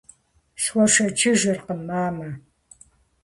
Схуэшэчыжыркъым, мамэ.